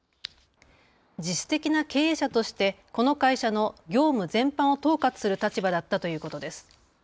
実質的な経営者としてこの会社の業務全般を統括する立場だったということです。